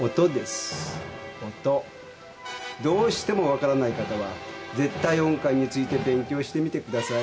「音」どうしても分からない方は「絶対音感」について勉強してみてください。